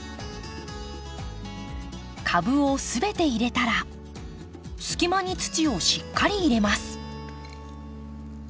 株を全て入れたら隙間に土をしっかり入れます。